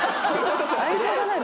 愛情がない。